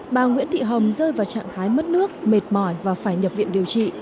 bà nguyễn thị hồng rơi vào trạng thái mất nước mệt mỏi và phải nhập viện điều trị